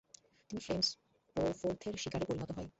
তিনি ফ্রেড স্পফোর্থের শিকারে পরিণত হয়।